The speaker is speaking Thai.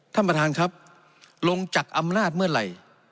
ท่านประธานครับลงจากอำนาจเมื่อไหร่